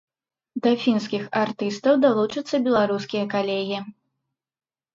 Да фінскіх артыстаў далучацца беларускія калегі.